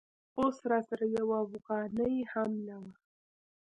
اوس راسره یوه افغانۍ هم نه وه.